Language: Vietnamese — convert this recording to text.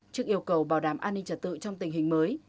trước yêu cầu bảo đảm an ninh trật tự trong tình hình mới